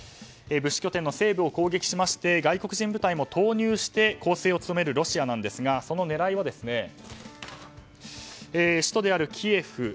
物資拠点の西部を攻撃しまして外国人部隊も投入して攻勢を強めるロシアなんですが、その狙いは首都であるキエフ